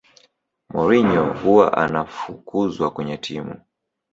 mourinho huwa anafukuzwakwenye timu